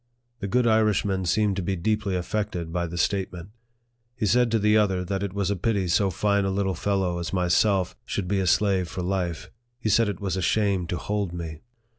The good Irishman seemed to be deeply affected by the statement. He said to the other that it was a pity so fine a little fellow as myself should be a slave for life. He said it was a shame to hold me.